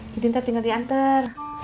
jadi ntar tinggal dianter